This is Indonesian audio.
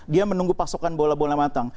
dia menunggu pasokan bola bola matang